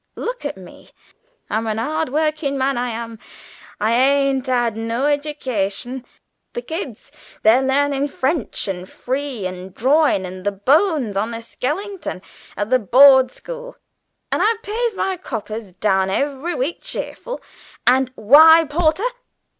Look at me. I'm a 'ard workin' man. I am. I ain't 'ad no eddication. The kids, they're a learnin' French, and free'and drorin, and the bones on a skellington at the Board School, and I pays my coppers down every week cheerful. And why, porter?